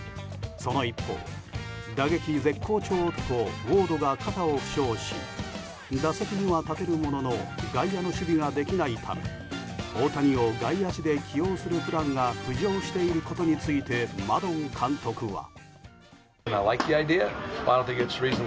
その一方、打撃絶好調男ウォードが肩を負傷し打席には立てるものの外野の守備ができないため大谷を外野手で起用するプランが浮上していることについてマドン監督は。